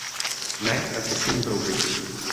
Ne tak textilní kroužek.